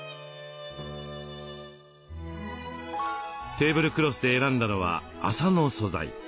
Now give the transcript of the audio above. テーブルクロスで選んだのは麻の素材。